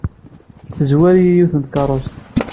Tezwar-iyi yiwet n tkeṛṛust.